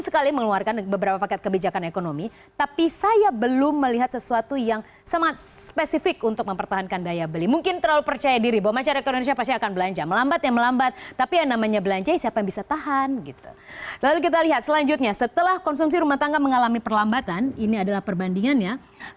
sebagainya tapi masyarakatnya